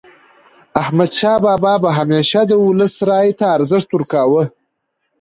احمدشاه بابا به همیشه د ولس رایې ته ارزښت ورکاوه.